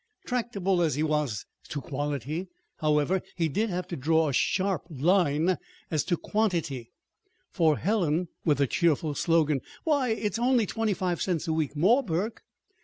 Tractable as he was as to quality, however, he did have to draw a sharp line as to quantity; for Helen; with the cheerful slogan, "Why, it's only twenty five cents a week more, Burke!"